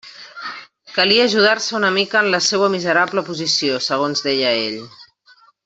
Calia ajudar-se una mica en la seua miserable posició, segons deia ell.